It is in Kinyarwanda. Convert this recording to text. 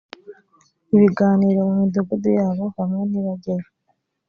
ibiganiro mu midugudu yabo bamwe ntibajyeyo